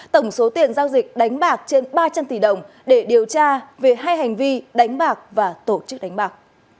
tổng số tiền giao dịch đánh bạc trên ba trăm linh tỷ đồng để điều tra về hai hành vi đánh bạc và tổ chức đánh bạc